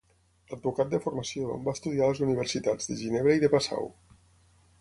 Advocat de formació, va estudiar a les universitats de Ginebra i de Passau.